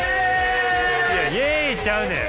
いやイエイちゃうねん。